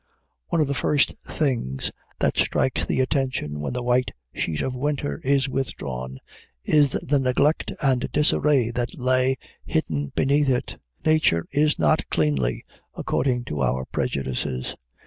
One of the first things that strikes the attention when the white sheet of winter is withdrawn is the neglect and disarray that lay hidden beneath it. Nature is not cleanly, according to our prejudices.